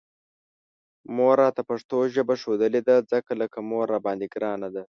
مور راته پښتو ژبه ښودلې ده، ځکه لکه مور راباندې ګرانه ده